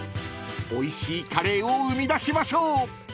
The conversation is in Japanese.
［おいしいカレーを生み出しましょう］